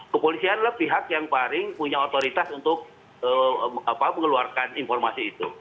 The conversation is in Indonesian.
kepolisian adalah pihak yang paling punya otoritas untuk mengeluarkan informasi itu